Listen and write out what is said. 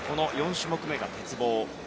４種目めが鉄棒。